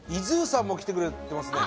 さんも来てくれてますね